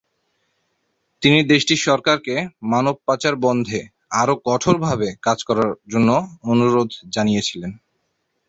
তিনি দেশটির সরকারকে মানব পাচার বন্ধে আরো কঠোরভাবে কাজ করার জন্য অনুরোধ জানিয়েছিলেন।